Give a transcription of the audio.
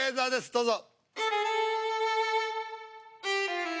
どうぞ。